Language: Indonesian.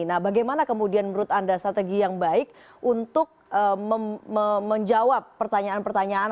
nah bagaimana kemudian menurut anda strategi yang baik untuk menjawab pertanyaan pertanyaan